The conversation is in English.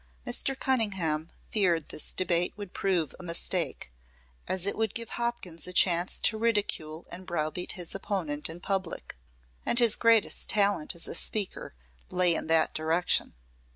Mr. Cunningham feared this debate would prove a mistake, as it would give Hopkins a chance to ridicule and brow beat his opponent in public, and his greatest talent as a speaker lay in that direction.